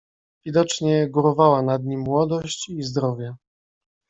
"Widocznie górowała nad nim młodość i zdrowie."